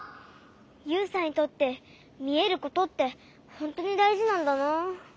ユウさんにとってみえることってほんとにだいじなんだな。